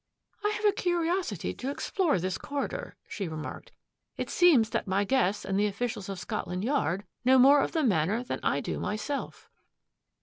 " I have a curiosity to explore this corridor," she remarked. ^^ It seems that my guests and the officials of Scotland Yard know more of the Manor than I do myself."